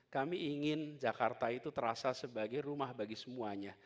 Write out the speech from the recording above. kami ingin jakarta itu terasa sebagai rumah bagi semuanya